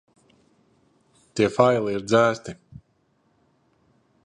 Tie faili ir dzēsti.